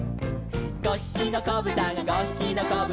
「５ひきのこぶたが５ひきのこぶたが」